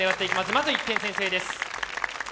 まず１点先制です。